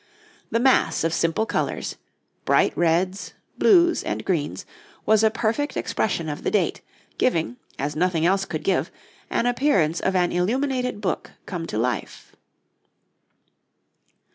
The mass of simple colours bright reds, blues, and greens was a perfect expression of the date, giving, as nothing else could give, an appearance of an illuminated book come to life.